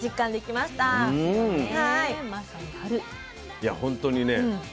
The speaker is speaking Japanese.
いやほんとにね